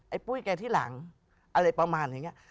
ปุ้ยแกที่หลังอะไรประมาณอย่างนี้